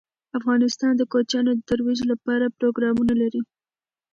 افغانستان د کوچیانو د ترویج لپاره پروګرامونه لري.